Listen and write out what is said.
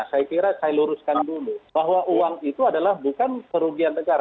saya kira saya luruskan dulu bahwa uang itu adalah bukan kerugian negara